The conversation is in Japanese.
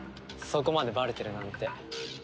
そこまでバレてるなんて。